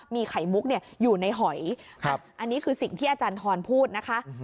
มีไข่มุกอยู่ในหอยอันนี้คือสิ่งที่อาจารย์ทรพูดนะคะ